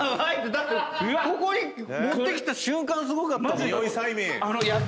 だってここに持ってきた瞬間すごかったもん。